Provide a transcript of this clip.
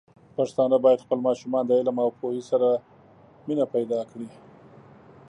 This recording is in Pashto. پښتانه بايد خپل ماشومان د علم او پوهې سره مینه پيدا کړي.